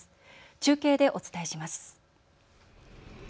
中継でお伝えします。